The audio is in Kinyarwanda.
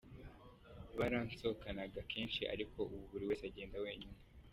Barasohokanaga kenshi ariko ubu buri wese agenda wenyine.